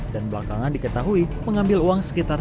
dan belakangan diketahui mengambil uang sekitar